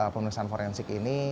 pemeriksaan forensik ini